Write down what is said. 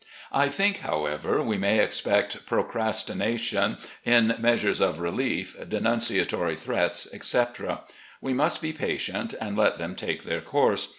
I think, however, we may expect procrastination in measures of relief, denunciatory threats, etc. We must be patient, and let them take their course.